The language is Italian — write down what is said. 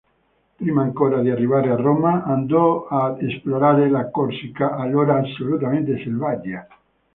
Prima ancora di arrivare a Roma andò ad esplorare la Corsica, allora assolutamente selvaggia.